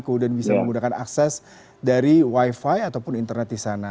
kemudian bisa menggunakan akses dari wifi ataupun internet di sana